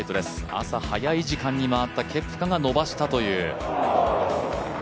朝早い時間に回ったケプカがのばしたという。